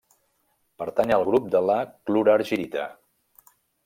Pertany al grup de la clorargirita.